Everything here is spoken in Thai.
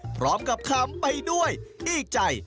พร้อมกับคำไปด้วยอีกใจ